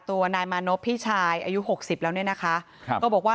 ตัวนายมานพพี่ชายอายุหกสิบแล้วเนี่ยนะคะครับก็บอกว่า